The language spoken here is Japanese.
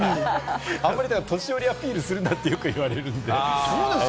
あまり年寄りアピールするなって、よく言われるんで。